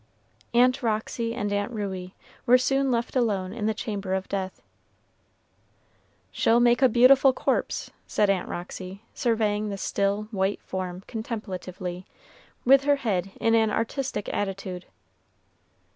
Aunt Roxy and Aunt Ruey were soon left alone in the chamber of death. "She'll make a beautiful corpse," said Aunt Roxy, surveying the still, white form contemplatively, with her head in an artistic attitude.